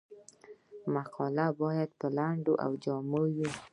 مقالې باید لنډې او جامع وي.